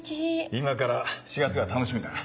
今から４月が楽しみだな。